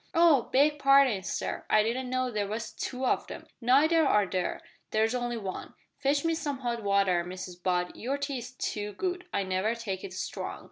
"Oh! beg parding, sir, I didn't know there was two of 'em." "Neither are there. There's only one. Fetch me some hot water, Mrs Butt, your tea is too good. I never take it strong."